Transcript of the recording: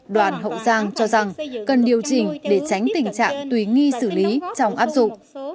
đoàn hậu giang cho rằng cần điều chỉnh để tránh tình trạng tùy nghi xử lý trong áp dụng